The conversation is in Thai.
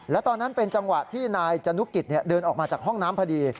และตอนนั้นเป็นจังหวะที่นายจนุกิจเดินออกมาจากห้องน้ำพอดี